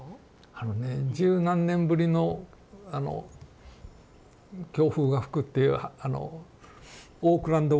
あのね十何年ぶりの強風が吹くっていうあのオークランド湾。